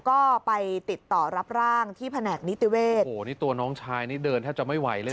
ก็ไปติดต่อรับร่างที่แผนกนิติเวศโอ้โหนี่ตัวน้องชายนี่เดินแทบจะไม่ไหวเลยนะ